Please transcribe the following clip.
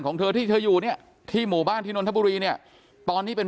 ของเธอที่เธออยู่เนี่ยที่หมู่บ้านที่นนทบุรีเนี่ยตอนนี้เป็น